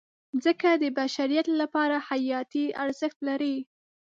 مځکه د بشریت لپاره حیاتي ارزښت لري.